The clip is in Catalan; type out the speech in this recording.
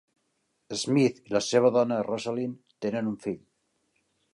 Smith i la seva dona Rosalynn tenen un fill.